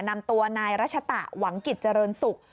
นำตัวนายรัชตะหวังกิจเจริญศุกร์